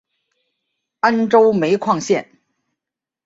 安州煤矿线